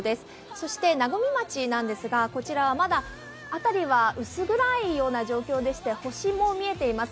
そして和水町なんですが、こちらはまだ辺りは薄暗いような状況でして星も見えています。